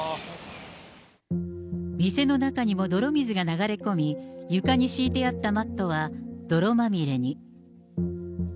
店の中にも泥水が流れ込み、床に敷いてあったマットは泥まみれに。